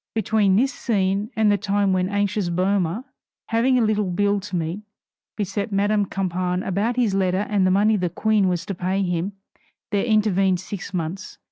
Between this scene and the time when the anxious Boehmer, having a little bill to meet, beset Madame Campan about his letter and the money the Queen was to pay him, there intervened six months.